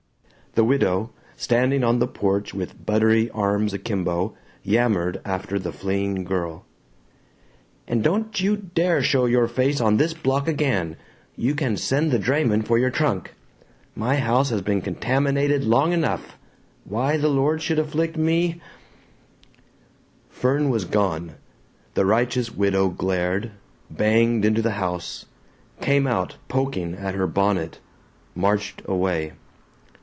The widow, standing on the porch with buttery arms akimbo, yammered after the fleeing girl: "And don't you dare show your face on this block again. You can send the drayman for your trunk. My house has been contaminated long enough. Why the Lord should afflict me " Fern was gone. The righteous widow glared, banged into the house, came out poking at her bonnet, marched away.